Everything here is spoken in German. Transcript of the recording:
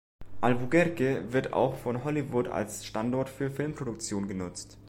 Albuquerque wird auch von Hollywood als Standort für Filmproduktionen genutzt.